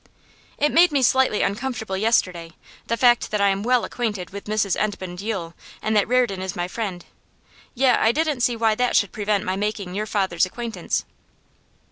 'It made me slightly uncomfortable yesterday the fact that I am well acquainted with Mrs Edmund Yule, and that Reardon is my friend. Yet I didn't see why that should prevent my making your father's acquaintance.